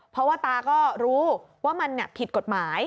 เพราะว่าตาก็รู้ว่ามันผิดกฎหมาย